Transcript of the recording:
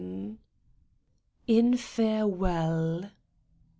IN FAREWELL.